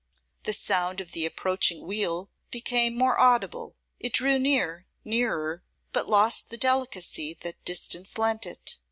The sound of the approaching wheel became more audible; it drew near, nearer; but lost the delicacy that distance lent it.